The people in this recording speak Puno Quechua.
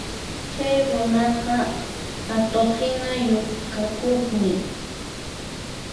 Chay runaqa atuqhina yukakuqmi